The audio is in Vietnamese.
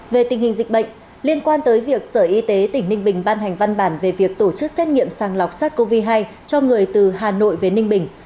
về tình hình dịch bệnh liên quan tới việc sở y tế tỉnh ninh bình ban hành văn bản về việc tổ chức xét nghiệm sàng lọc sars cov hai cho người từ hà nội về ninh bình